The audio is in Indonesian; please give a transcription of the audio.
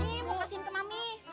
nih mau kasihin ke mami